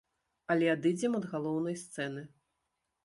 Але адыдзем ад галоўнай сцэны.